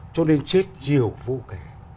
cho nên chết nhiều vô kẻ